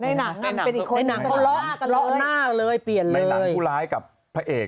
ในหนังคูล้ายกับพระเอก